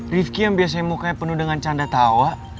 rifki yang biasanya mukanya penuh dengan canda tawa